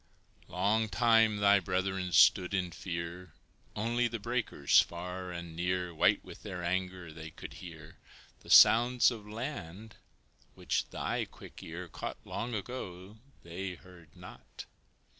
Long time thy brethren stood in fear; Only the breakers far and near, White with their anger, they could hear; The sounds of land, which thy quick ear Caught long ago, they heard not.